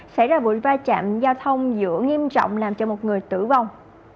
xảy ra vụ vai trạm giao thông giữa nghiêm trọng làm cho một người tử vong